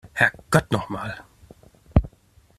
Herrgott noch mal!